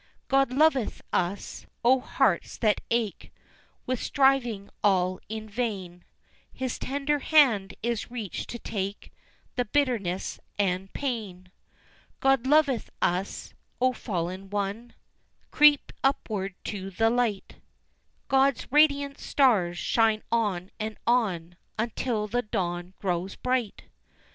God loveth us! O hearts that ache With striving all in vain, His tender hand is reached to take The bitterness and pain. God loveth us! O fallen one Creep upward to the light, God's radiant stars shine on and on, Until the dawn grows bright.